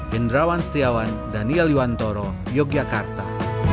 hendrawan setiawan daniel yuantoro yogyakarta